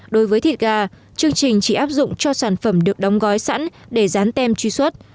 đối với thịt gà chương trình chỉ áp dụng cho sản phẩm được đóng gói sẵn để rán tem truy xuất